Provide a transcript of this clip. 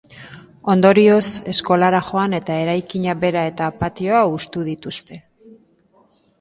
Ondorioz, eskolara joan eta eraikina bera eta patioa hustu dituzte.